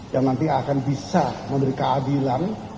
yang nanti akan bisa memberi keadilan